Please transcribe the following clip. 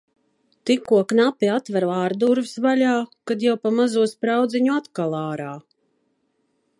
Tikko knapi atveru ārdurvis vaļā, kad jau pa mazo spraudziņu atkal ārā.